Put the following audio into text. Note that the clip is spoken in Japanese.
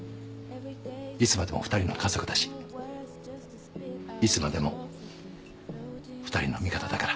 いつまでも２人の家族だしいつまでも２人の味方だから。